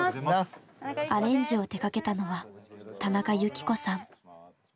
アレンジを手がけたのは田中雪子さん。